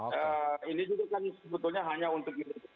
jadi ini juga kan sebetulnya hanya untuk itu